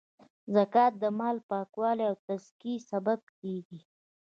زکات د مال د پاکوالې او تذکیې سبب کیږی.